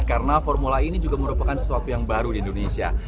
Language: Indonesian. karena formula e ini juga merupakan sesuatu yang baru di indonesia